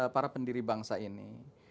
para pendiri bangsa ini